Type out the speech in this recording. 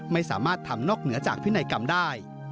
ไม่สามารถทำนอกเหนือจากพินัยกรรมได้